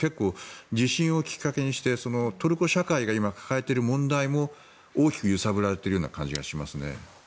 地震をきっかけにしてトルコ社会が今抱えている問題も大きく揺さぶられている感じがしますね。